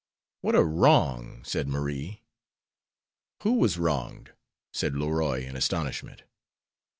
"What a wrong!" said Marie. "Who was wronged?" said Leroy, in astonishment.